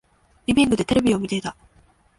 リビングでテレビを見ていた。